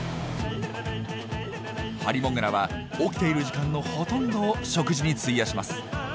ハリモグラは起きている時間のほとんどを食事に費やします。